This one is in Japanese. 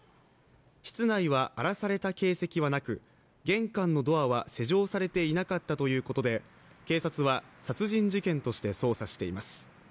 室内は荒らされた形跡はなく玄関のドアは施錠されていなかったということで警察は殺人事件として捜査しています。